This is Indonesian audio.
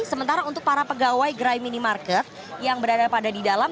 sementara untuk para pegawai gerai minimarket yang berada pada di dalam